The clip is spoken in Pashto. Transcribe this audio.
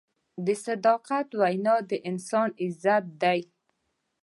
د صداقت وینا د انسان عزت دی.